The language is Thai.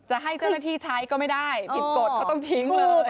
จะให้เจ้าหน้าที่ใช้ก็ไม่ได้ผิดกฎก็ต้องทิ้งเลย